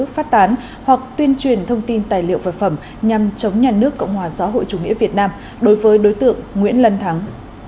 phát tán hoặc tuyên truyền thông tin tài liệu vật phẩm nhằm chống nhà nước cộng hòa xã hội chủ nghĩa việt nam đối với đối tượng nguyễn lân thắng